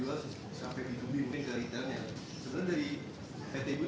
ada tidak waktu mengambil gargoy dari petang itu